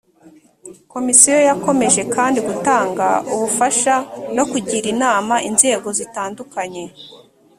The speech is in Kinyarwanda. komisiyo yakomeje kandi gutanga ubufasha no kugira inama inzego zitandukanye